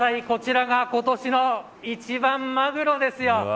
こちらが今年の一番マグロですよ